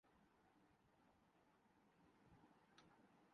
ارسطو کی زندگی کے بارے میں بہت کم جانا جاتا ہے